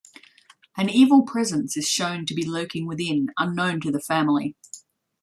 An evil presence is shown to be lurking within, unknown to the family.